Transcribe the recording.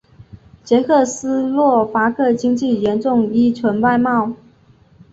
捷克斯洛伐克经济严重依存外贸。